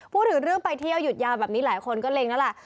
พูดถึงเรื่องไปเที่ยวหยุดยาวแบบนี้หลายคนก็เล็งแล้วล่ะ